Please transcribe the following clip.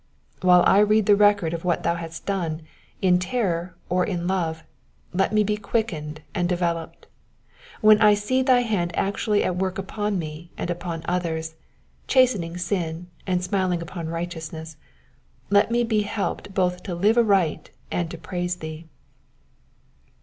While I read the record of what thou hast done, in terror or in love, let me be quickened and developed. While I see thy hand actually at work upon me, and upon others, chastening sin, and smiling upon righteousness, let me be helped both to live aright and to praise thee.